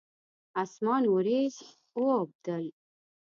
اسمان اوریځ واوبدل